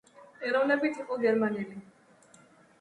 ეროვნებით იყო გერმანელი.